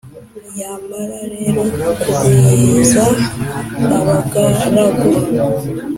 yamara rero kugwiza abagaragu,